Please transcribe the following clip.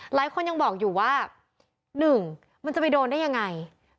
หลายคนยังบอกอยู่ว่า๑มันจะไปโดนได้ยังไง